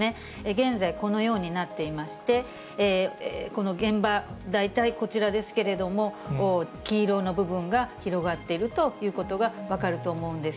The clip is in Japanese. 現在、このようになっていまして、この現場、大体こちらですけれども、黄色の部分が広がっているということが分かると思うんです。